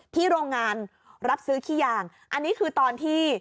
โรงงานรับซื้อขี้ยางอันนี้คือตอนที่